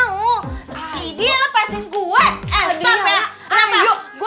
gua udah bilang gua ga mau